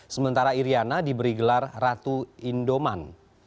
sementara iryana diberi gelar ratu indoman